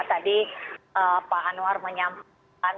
tadi pak anwar menyampaikan